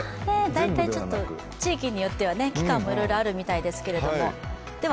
大体地域によっては期間もいろいろあるみたいですけど。